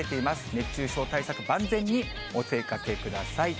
熱中症対策、万全にお出かけください。